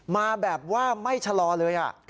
มาแบบว่าไม่ชะลอเลย